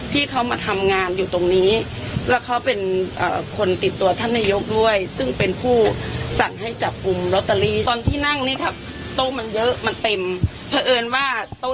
พอดีลูกน้องคนอื่นก็ไม่กล้านั่งเพราะว่าส่วนมากก็จะนั่งใกล้กันหน่อยนึงนะคะ